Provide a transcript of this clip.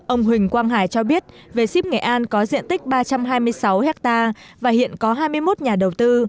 ông huỳnh quang hải cho biết về ship nghệ an có diện tích ba trăm hai mươi sáu ha và hiện có hai mươi một nhà đầu tư